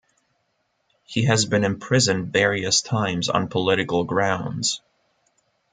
He has been imprisoned various times on political grounds.